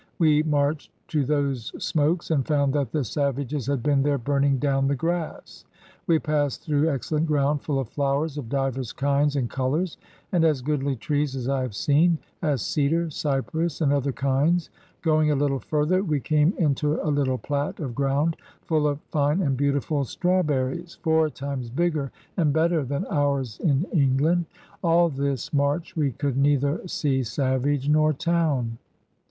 Wee marched to those smoakes and f oimd that the Savages had beene there burn ing downe the grasse. ••• We passed through excellent groimd full of Flowers of divers kinds and colours, and as goodly trees as I have scene, as cedar, cipresse and other kindes; going a little further we came into a little plat of groimd full oi fine and beautif ull strawberries, foure times bigger and better than ours in England. All this march we could neither see Savage nor Towne."'